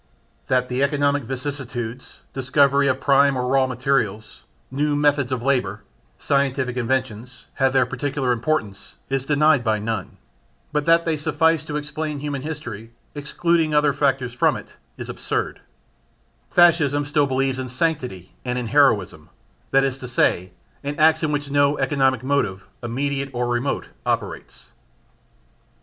That the economic vicissitudes discovery of prime or raw materials, new methods of labour, scientific inventions have their particular importance, is denied by none, but that they suffice to explain human history, excluding other factors from it, is absurd: Fascism still believes in sanctity and in heroism, that is to say in acts in which no economic motive, immediate or remote, operates.